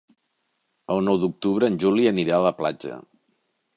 El nou d'octubre en Juli anirà a la platja.